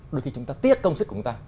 đôi khi chúng ta tiếc công sức của chúng ta